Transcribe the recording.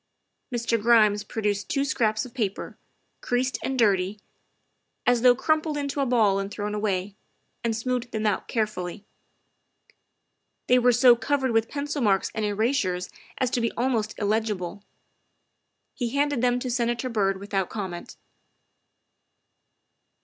Mr. Grimes produced two scraps of paper, creased and dirty, as though crumpled into a ball and thrown away, and smoothed them out carefully. They were so covered with pencil marks and erasures as to be almost illegible. He handed them to Senator Byrd without comment.